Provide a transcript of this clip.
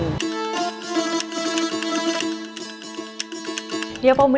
di apa umir sapa nusantara